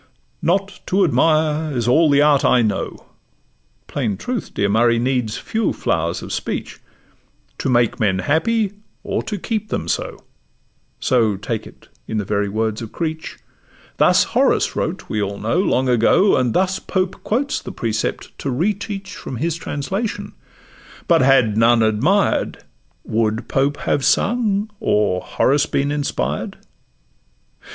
'Not to admire is all the art I know (Plain truth, dear Murray, needs few flowers of speech) To make men happy, or to keep them so' (So take it in the very words of Creech)— Thus Horace wrote we all know long ago; And thus Pope quotes the precept to re teach From his translation; but had none admired, Would Pope have sung, or Horace been inspired?